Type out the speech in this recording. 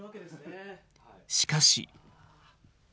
しかし。